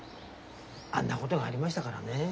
あんなことがありましたからね。